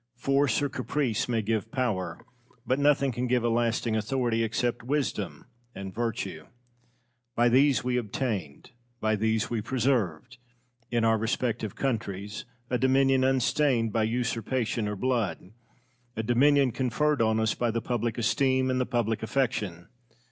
Force or caprice may give power, but nothing can give a lasting authority except wisdom and virtue. By these we obtained, by these we preserved, in our respective countries, a dominion unstained by usurpation or blood a dominion conferred on us by the public esteem and the public affection.